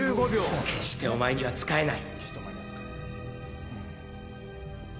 「決してお前には仕えない」